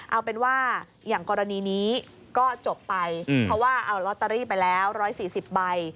เอาเป็นว่าอย่างกรณีนี้ก็จบไปเพราะว่าเอาลอตเตอรี่ไปแล้ว๑๔๐ใบ